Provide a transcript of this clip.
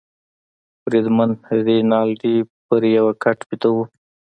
بریدمن رینالډي پر یوه بل کټ بیده وو.